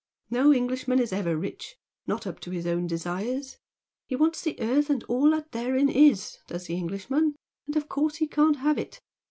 No Englishman is ever rich, not up to his own desires. He wants the earth and all that therein is does the Englishman, and of course he can't have it.